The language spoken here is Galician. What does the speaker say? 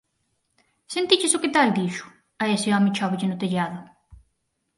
Sentiches o que tal dixo? A ese home chóvelle no tellado